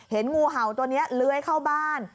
เห็นงูเห่าตัวเนี่ยเล้ยเข้าบ้าน